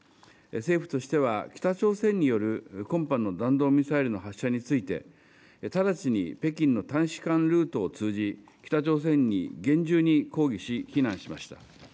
政府としては北朝鮮による今般の弾道ミサイルの発射について、直ちに北京の大使館ルートを通じ、北朝鮮に厳重に抗議し、非難しました。